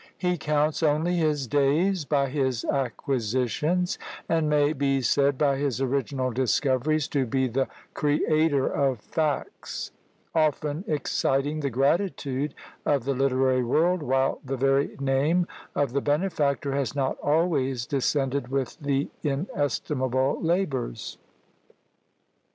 He counts only his days by his acquisitions, and may be said by his original discoveries to be the CREATOR OF FACTS; often exciting the gratitude of the literary world, while the very name of the benefactor has not always descended with the inestimable labours.